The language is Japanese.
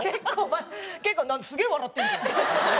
結構すげえ笑ってんじゃん。